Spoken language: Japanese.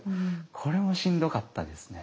これもしんどかったですね。